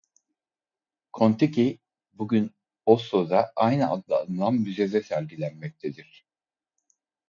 Kon-Tiki bugün Oslo'da aynı adla anılan müzede sergilenmektedir.